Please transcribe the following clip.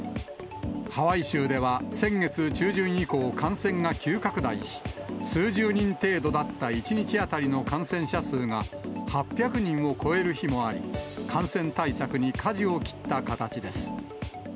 ハワイ州では先月中旬以降、感染が急拡大し、数十人程度だった１日当たりの感染者数が８００人を超える日もあり、感染対策にかじを切った形です。